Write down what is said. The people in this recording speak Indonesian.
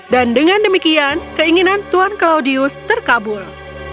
dan dengan demikian keinginan tuan claudius terkabul